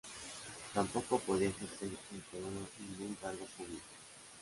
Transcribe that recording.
Tampoco podía ejercer el colono ningún cargo público.